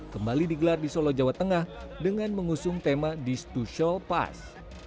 kembali digelar di solo jawa tengah dengan mengusung tema destuti show pas